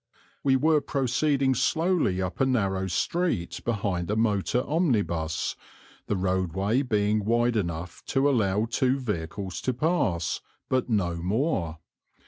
We were proceeding slowly up a narrow street behind a motor omnibus, the roadway being wide enough to allow two vehicles to pass, but no more.